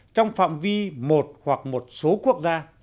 trong phạm vi một hoặc một số quốc gia